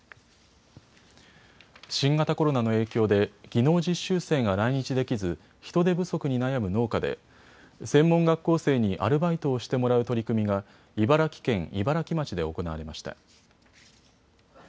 新型コロナの影響で技能実習生が来日できず人手不足に悩む農家で専門学校生にアルバイトをしてもらう取り組みが茨城県茨城町で行われました。